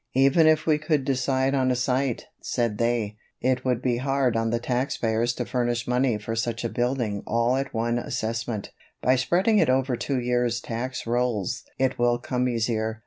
"Even if we could decide on a site," said they, "it would be hard on the tax payers to furnish money for such a building all at one assessment. By spreading it over two years' tax rolls it will come easier."